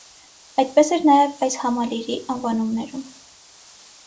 Այդպես էր նաև այս համալիրի անվանումներում։